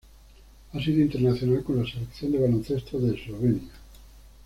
Ha sido internacional con la Selección de baloncesto de Eslovenia.